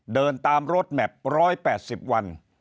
เดินตามรถแมพ๑๘๐วัน